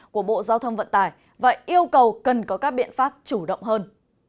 của bộ giao thông vận tải và yêu cầu cần có các biện pháp chủ động hơn